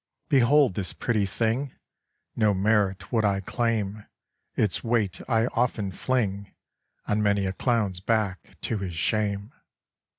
"Behold this pretty thing, No merit would I claim, Its weight I often fling On many a clown's back, to his shame.